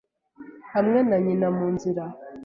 Hamwe na nyina mu nzira,